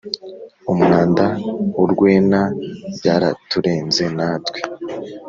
Umwanda urwena byaraturenze natwe